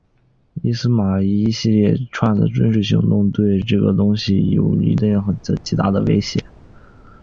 伊斯玛仪一连串的军事行动对以逊尼派穆斯林为主的西方邻国构成极大的威胁。